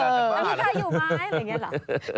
มีใครอยู่ไหมอะไรแบบนี้หรอ